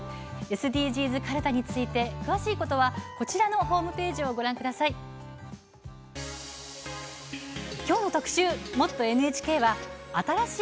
「ＳＤＧｓかるた」について詳しくはホームページをご覧ください。